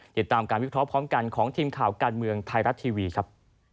ติดตามการวิเคราะห์พร้อมกันของทีมข่าวการเมืองไทยรัฐทีวีครับ